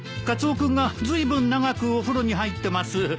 カツオ君がずいぶん長くお風呂に入ってます。